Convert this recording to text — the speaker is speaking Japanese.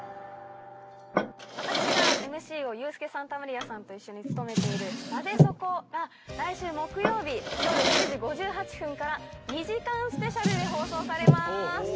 私がＭＣをユースケ・サンタマリアさんと一緒に務めている『ナゼそこ？』が来週木曜日夜７時５８分から２時間スペシャルで放送されます。